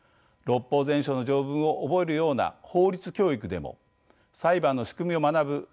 「六法全書」の条文を覚えるような「法律教育」でも裁判の仕組みを学ぶ